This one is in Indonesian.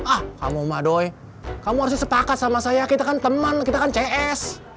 ah kamu madoy kamu harusnya sepakat sama saya kita kan teman kita kan cs